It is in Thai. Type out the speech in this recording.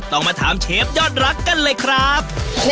ต้องมาถามเชฟยอดรักกันเลยครับ